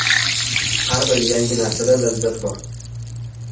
Har bir yangi narsada lazzat bor.